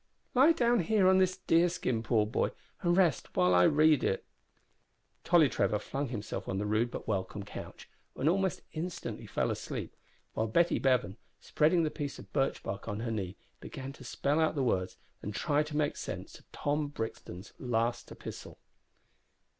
"Lie down here on this deer skin, poor boy, and rest while I read it." Tolly Trevor flung himself on the rude but welcome couch, and almost instantly fell asleep, while Betty Bevan, spreading the piece of birch bark on her knee, began to spell out the words and try to make sense of Tom Brixton's last epistle.